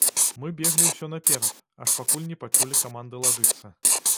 Мы беглі ўсё наперад, аж пакуль не пачулі каманды лажыцца.